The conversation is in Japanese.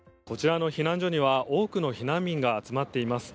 こちらの避難所には多くの避難民が集まっています。